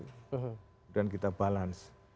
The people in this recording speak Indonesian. kemudian kita balance